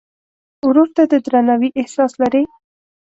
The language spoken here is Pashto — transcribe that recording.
ورور ته د درناوي احساس لرې.